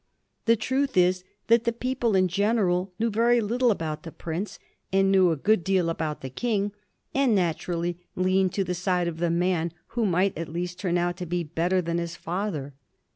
The truth is that the people in general knew very little about the prince, and knew a good deal about the King, and naturally leaned to the side of the man who might at least turn out to be bet ter than his father.